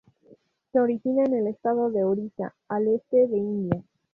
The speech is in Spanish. Se origina en el estado de Orissa, al este de India.